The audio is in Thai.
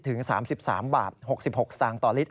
ถึง๓๓บาท๖๖สตางค์ต่อลิตร